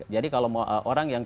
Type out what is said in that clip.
jadi kalau orang yang